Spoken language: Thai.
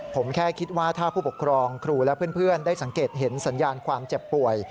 ผมแค่คิดว่าถ้าผู้ปกครองครูและเพื่อนได้สังเกตเห็นสัญญาณความเจ็บป่วย